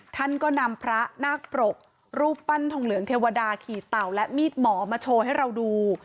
ท่านก็นำพระนาคปรกรูปปั้นทองเหลืองเทวดาขี่เต่าและมีดหมอมาโชว์ให้เราดู